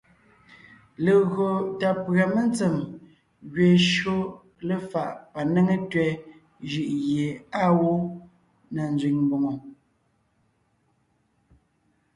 Legÿo tà pʉ̀a mentsèm gẅeen shÿó léfaʼ panéŋe tẅɛ̀ jʉʼ gie àa gwó na nzẅìŋ mbòŋo.